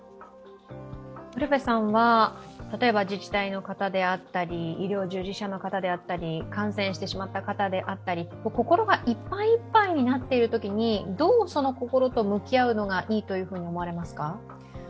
ウルヴェさんは例えば自治体の方であったり医療従事者の方であったり、感染してしまった方であったり、心がいっぱいいっぱいになっているときに、その心とどう向き合われるのがいいと思いますか？